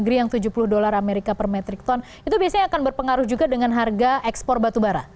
di dalam negeri yang tujuh puluh dolar amerika per metrik ton itu biasanya akan berpengaruh juga dengan harga ekspor batu bara